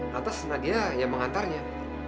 lantas nadia yang mengantarnya